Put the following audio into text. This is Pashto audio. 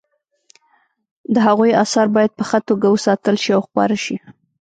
د هغوی اثار باید په ښه توګه وساتل شي او خپاره شي